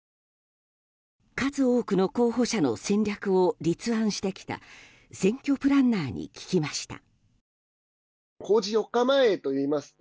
数多くの候補者の戦略を立案してきた選挙プランナーに聞きました。